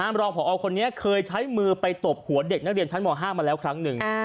รองพอคนนี้เคยใช้มือไปตบหัวเด็กนักเรียนชั้นม๕มาแล้วครั้งหนึ่ง